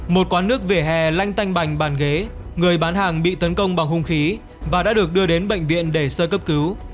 một quán nước vỉa hè lanh bành bàn ghế người bán hàng bị tấn công bằng hung khí và đã được đưa đến bệnh viện để sơ cấp cứu